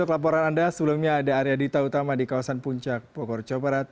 laporan anda sebelumnya ada area dita utama di kawasan puncak pokor coperat